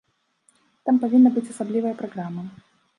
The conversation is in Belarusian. Там павінна быць асаблівая праграма.